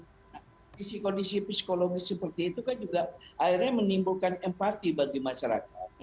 kondisi kondisi psikologis seperti itu kan juga akhirnya menimbulkan empati bagi masyarakat